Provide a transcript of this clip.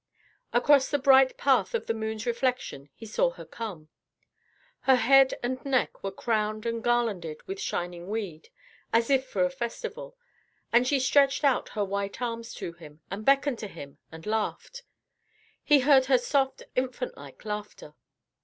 Across the bright path of the moon's reflection he saw her come. Her head and neck were crowned and garlanded with shining weed, as if for a festival, and she stretched out her white arms to him and beckoned to him and laughed. He heard her soft, infant like laughter.